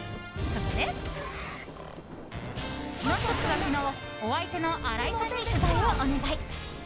そこで「ノンストップ！」は昨日お相手の新井さんに取材をお願い。